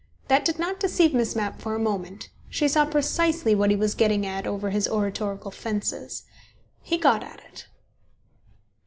That did not deceive Miss Mapp for a moment: she saw precisely what he was getting at over his oratorical fences. He got at it.